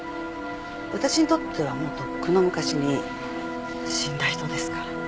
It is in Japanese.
私にとってはもうとっくの昔に死んだ人ですから。